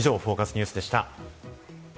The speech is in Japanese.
ニュースでした。